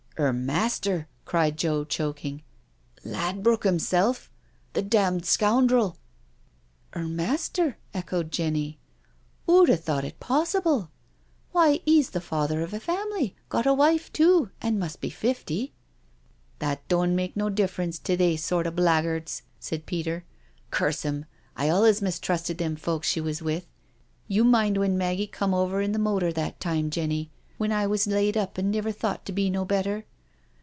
" 'Er master?" cried Joe, choking, " Ladbrook 'im self I The damned scoundrel I "" 'Er master?" echoed Jenny. " Who'd 'ave thought it possible I Why, he's the father of a family — got a wife too — ^and must be fift^." " That doan't mak' no difference to they sort o' bla 'guards," said Peter. " Curse 'im — I olez mistrusted them folk she was with. You mind when Maggie cum over in the motor that time, Jenny, when I was laid up an' niver thawt to be no better?"